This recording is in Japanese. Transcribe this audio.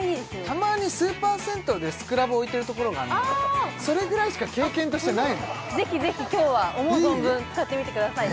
たまにスーパー銭湯でスクラブ置いてるところがあるのそれぐらいしか経験としてないのぜひぜひ今日は思う存分使ってみてください